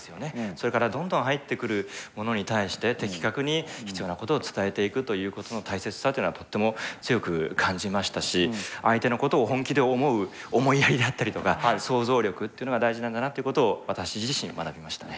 それからどんどん入ってくるものに対して的確に必要なことを伝えていくということの大切さというのはとっても強く感じましたし相手のことを本気で思う思いやりだったりとか想像力っていうのが大事なんだなということを私自身学びましたね。